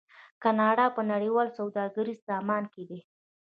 کاناډا په نړیوال سوداګریز سازمان کې دی.